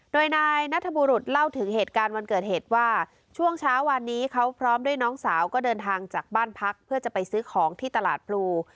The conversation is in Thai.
โดยนายนัทบุรุษเล่าถึงเหตุการณ์วันเกิดเหตุว่าช่วงเช้าวันนี้เขาพร้อมด้วยน้องสาวก็เดินทางจากบ้านพักเพื่อจะไปซื้อของที่ตลาดพลู